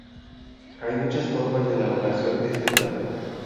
Hay muchas formas de elaboración de este plato.